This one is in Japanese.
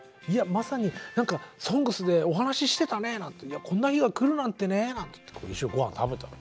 まさに何か「ＳＯＮＧＳ」でお話ししてたねなんていやこんな日が来るなんてねなんて一緒にごはん食べたわけよ。